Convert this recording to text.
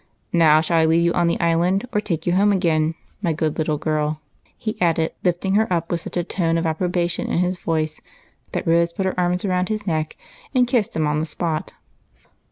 "Now, shall I leave you on the Island or take you home again, my good little girl?" he added, lifting her up with such a tone of api3robation in his voice that Rose kissed him on the spot.